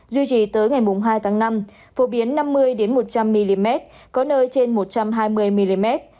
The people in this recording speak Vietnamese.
duy trì tới ngày hai tháng năm phổ biến năm mươi một trăm linh mm có nơi trên một trăm hai mươi mm